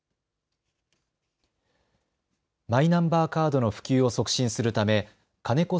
マイナンバーカードの普及を促進するため金子